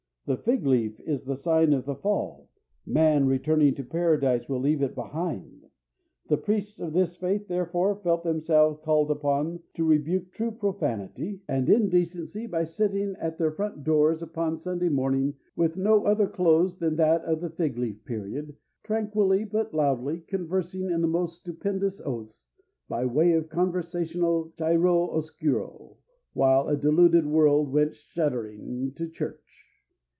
The fig leaf is the sign of the fall. Man returning to Paradise will leave it behind. The priests of this faith, therefore, felt themselves called upon to rebuke true profanity and indecency by sitting at their front doors upon Sunday morning with no other clothes than that of the fig leaf period, tranquilly but loudly conversing in the most stupendous oaths, by way of conversational chiaro oscuro, while a deluded world went shuddering to church.